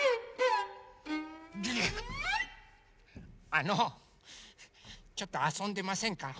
あのちょっとあそんでませんか？